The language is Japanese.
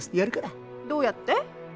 どうやって？